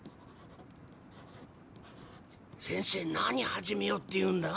先生何始めようっていうんだ？